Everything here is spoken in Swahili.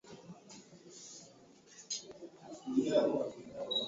Ku cadastre bana lombesha ma jina ya ba mama njuya ku ba kachiya ma pango